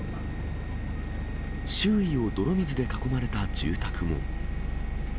周囲を泥水で囲まれた住宅も。